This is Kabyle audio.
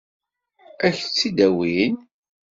Ad k-tt-id-awin?